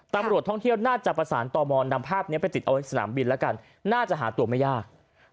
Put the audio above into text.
ตำรวจท่องเที่ยวน่าจะประสานต่อมอนนำภาพนี้ไปติดเอาไว้สนามบินแล้วกันน่าจะหาตัวไม่ยาก